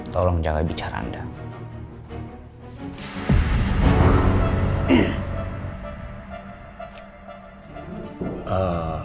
tolong jangan lebih bicara anda